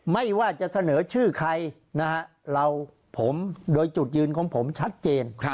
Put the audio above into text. ไม่ว่าจะเสนอชื่อใครนะฮะเราผมโดยจุดยืนของผมชัดเจน